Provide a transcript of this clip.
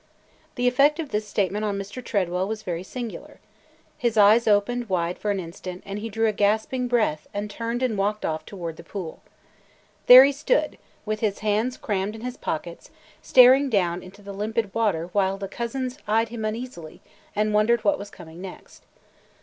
The effect of this statement on Mr. Tredwell was very singular. His eyes opened wide for an instant and he drew a gasping breath and turned and walked off toward the pool. There he stood, with his hands crammed in his pockets, staring down into the limpid water while the cousins eyed him uneasily and wondered what was coming next.